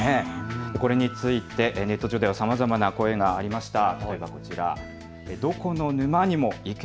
これについてネット上ではさまざまな声がありました。